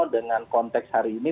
dengan konteks hari ini